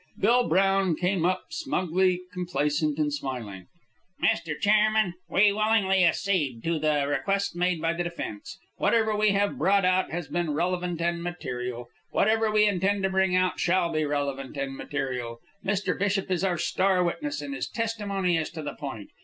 Bill Brown came up smugly complacent and smiling. "Mr. Chairman, we willingly accede to the request made by the defence. Whatever we have brought out has been relevant and material. Whatever we intend to bring out shall be relevant and material. Mr. Bishop is our star witness, and his testimony is to the point.